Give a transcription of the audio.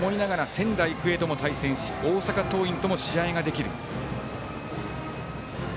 仙台育英とも対戦し大阪桐蔭との試合ができる。